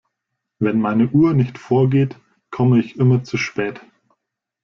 Wenn meine Uhr nicht vorgeht, komme ich immer zu spät.